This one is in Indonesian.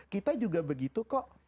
kita juga begitu kok